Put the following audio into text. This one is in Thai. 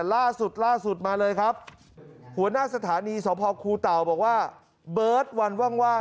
ล่าสุดล่าสุดมาเลยครับหัวหน้าสถานีสพคูเต่าบอกว่าเบิร์ตวันว่าง